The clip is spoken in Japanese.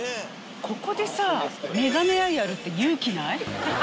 ここでさメガネ屋やるって勇気ない？